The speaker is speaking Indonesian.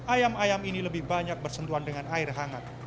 ayam ayam ini lebih banyak bersentuhan dengan air hangat